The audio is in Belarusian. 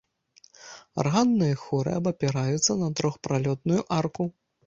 Арганныя хоры абапіраюцца на трохпралётную арку.